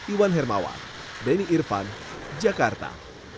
iwan hermawan benny irvan jakarta